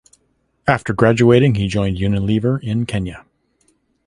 After graduating he joined Unilever in Kenya.